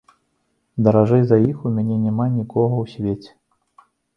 Даражэй за іх у мяне няма нікога ў свеце.